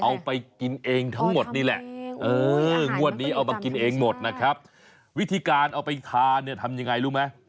เอาไปกินเองทั้งหมดนี่แหละงวดนี้เอามากินเองหมดนะครับวิธีการเอาไปทานเนี่ยทำยังไงรู้ไหม